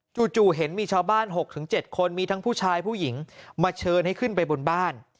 จู่เห็นมีชาวบ้าน๖๗คนมีทั้งผู้ชายผู้หญิงมาเชิญให้ขึ้นไปบนบ้าน